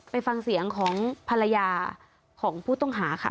ไปฟังเสียงของภรรยาของผู้ต้องหาค่ะ